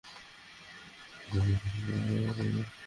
তবে এই বদলে যাওয়াকে ভুল পথে যেতে দেননি ভারতের এই নায়িকা।